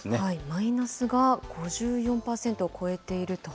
マイナスが５４％を超えていると。